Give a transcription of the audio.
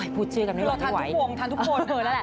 พูดชื่อกันไม่ได้หรอกทานทุกคนทานทุกคน